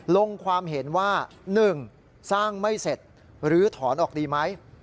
ลงความเห็นว่า๑สร้างไม่เสร็จหรือถอนออกดีไหม